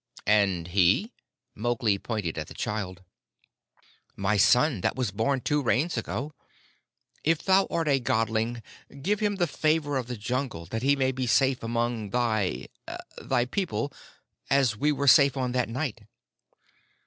"And he?" Mowgli pointed to the child. "My son that was born two Rains ago. If thou art a Godling, give him the Favor of the Jungle, that he may be safe among thy thy people, as we were safe on that night."